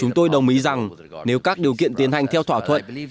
chúng tôi đồng ý rằng nếu các điều kiện tiến hành theo thỏa thuận